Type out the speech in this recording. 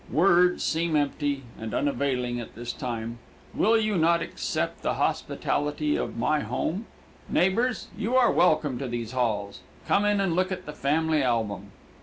Words seem empty and unavailing at this time. Will you not accept the hospitality of my home? Neighbors, you are welcome to these halls. Come in and look at the family album."